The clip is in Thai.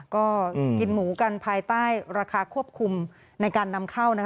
ก็กินหมูกันภายใต้ราคาควบคุมในการนำเข้านะคะ